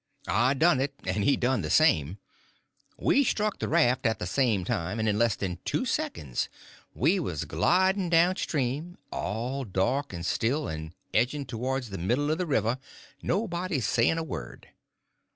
I done it, and he done the same. We struck the raft at the same time, and in less than two seconds we was gliding down stream, all dark and still, and edging towards the middle of the river, nobody saying a word.